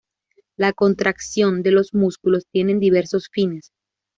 La contracción de los músculos tiene diversos fines.